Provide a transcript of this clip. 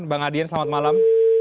bang adien selamat malam